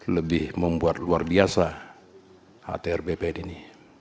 lebih membuat luar biasa atr bpn ini